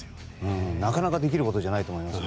なかなかできることじゃないと思います。